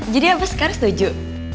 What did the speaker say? jadi abah sekarang setuju